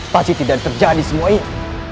pasti tidak terjadi semua ini